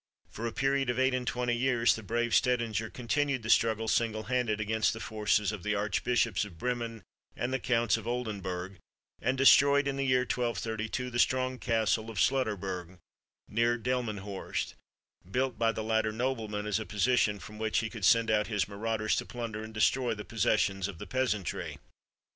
For a period of eight and twenty years the brave Stedinger continued the struggle single handed against the forces of the Archbishops of Bremen and the Counts of Oldenburg, and destroyed, in the year 1232, the strong castle of Slutterberg, near Delmenhorst, built by the latter nobleman as a position from which he could send out his marauders to plunder and destroy the possessions of the peasantry.